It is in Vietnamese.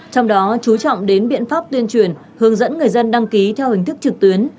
trong đó chú trọng đến biện pháp tuyên truyền hướng dẫn người dân đăng ký theo hình thức trực tuyến